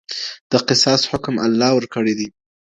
د قصاص حکم الله ورکړی دی.